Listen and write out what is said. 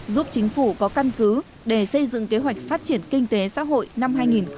giúp chính phủ có căn cứ để xây dựng kế hoạch phát triển kinh tế xã hội năm hai nghìn hai mươi